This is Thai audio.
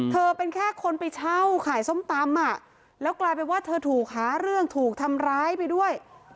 เธอเป็นแค่คนไปเช่าขายส้มตำอ่ะแล้วกลายเป็นว่าเธอถูกหาเรื่องถูกทำร้ายไปด้วย